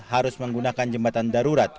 harus menggunakan jembatan darurat